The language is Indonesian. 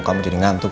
kamu jadi ngantuk